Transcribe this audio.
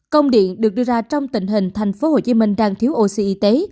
công điện được đưa ra trong tình hình thành phố hồ chí minh đang thiếu oxy y tế